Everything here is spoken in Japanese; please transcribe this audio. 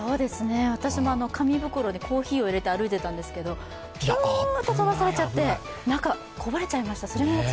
私も紙袋にコーヒーを入れて歩いてたんですけど、ピューっと飛ばされちゃって、中、こぼれちゃいました。